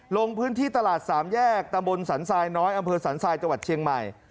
ลงพื้นที่ตลาดสามแยกตำบลสันทรายน้อยอำเภอสันทรายจังหวัดเชียงใหม่